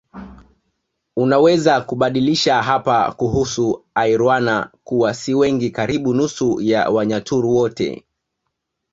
Unaweza kubadilisha hapa kuhusu Airwana kuwa si wengi karibu nusu ya Wanyaturu wote